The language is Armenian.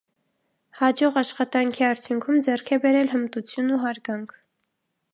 Հաջող աշխատանքի արդյունքում ձեռք է բերել հմտություն ու հարգանք։